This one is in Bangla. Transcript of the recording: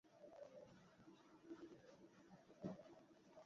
ডিজিটাল মিডিয়ার যুগে দ্রুত ছড়িয়ে পড়া যৌন হয়রানির ঘটনার খবরগুলোও প্রভাব ফেলছে।